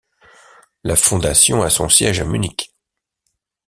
La fondation a son siège à Munich.